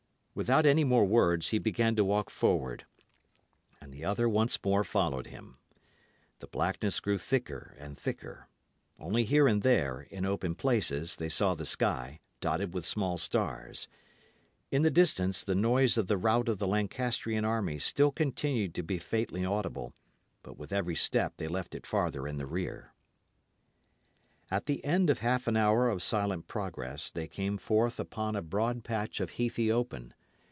Without any more words, he began to walk forward, and the other once more followed him. The blackness grew thicker and thicker. Only here and there, in open places, they saw the sky, dotted with small stars. In the distance, the noise of the rout of the Lancastrian army still continued to be faintly audible; but with every step they left it farther in the rear. At the end of half an hour of silent progress they came forth upon a broad patch of heathy open.